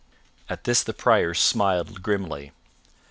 At this the Prior smiled grimly.